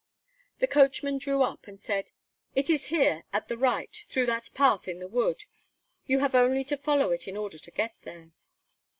The coachman drew up, and said: "It is here, at the right, through that path in the wood. You have only to follow it in order to get there."